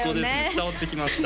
伝わってきました